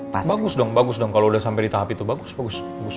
nah bagus dong bagus dong kalau udah sampai di tahap itu bagus bagus